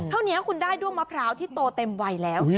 เท่านี้คุณได้ด้วงมะพร้าวที่โตเต็มวัยแล้ว